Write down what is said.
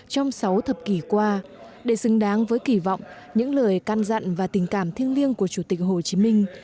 trong sáu thập kỷ qua để xứng đáng với kỳ vọng những lời can dặn và tình cảm thiêng liêng của chủ tịch hồ chí minh